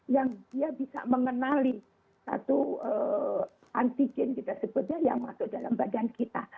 yang dia bisa mengenali satu antigen kita sebutnya yang masuk dalam badan kita